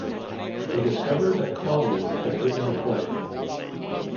They discover that Claudius has written a play.